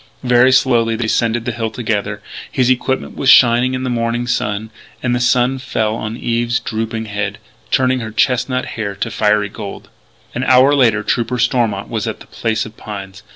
Very slowly they descended the hill together. His equipment was shining in the morning sun: and the sun fell on Eve's drooping head, turning her chestnut hair to fiery gold. An hour later Trooper Stormont was at the Place of Pines.